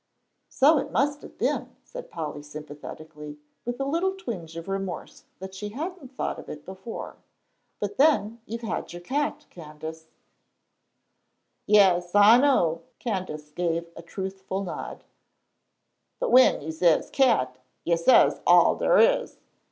"So it must have been," said Polly, sympathetically, with a little twinge of remorse that she hadn't thought of it before; "but then, you've had your cat, Candace." "Yes, I know," Candace gave a truthful nod, "but w'en you says cat, you says all dar is.